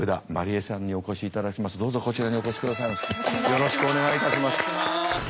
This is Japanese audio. よろしくお願いします。